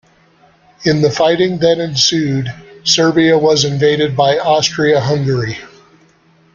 In the fighting that ensued, Serbia was invaded by Austria-Hungary.